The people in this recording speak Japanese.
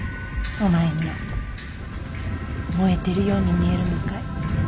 お前には燃えてるように見えるのかい？